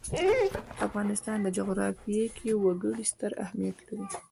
د افغانستان جغرافیه کې وګړي ستر اهمیت لري.